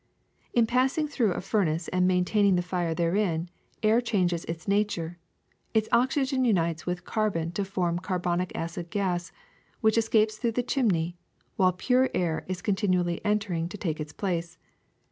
^'In passing through a furnace and maintaining the fire therein, air changes its nature: its oxygen unites with carbon to form carbonic acid gas, which escapes through the chimney, while pure air is con tinually entering to take its place.